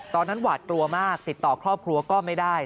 หวาดกลัวมากติดต่อครอบครัวก็ไม่ได้